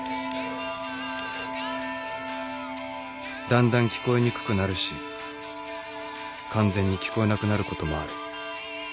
だんだん聞こえにくくなるし完全に聞こえなくなることもある